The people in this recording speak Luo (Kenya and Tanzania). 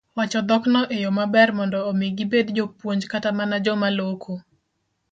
wacho dhokgo e yo maber mondo omi gibed jopuonj kata mana joma loko